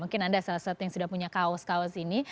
mungkin anda salah satu yang sudah punya kaos kaos ini